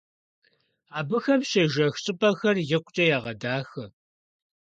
Абыхэм щежэх щӀыпӀэхэр икъукӀэ ягъэдахэ.